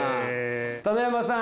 棚山さん